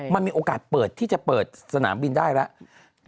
มันมีโอกาสเปิดที่จะเปิดสนามบินได้แล้ว